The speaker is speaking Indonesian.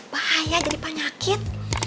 bahaya jadi penyakit